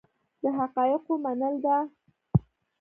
د حقایقو منل ده.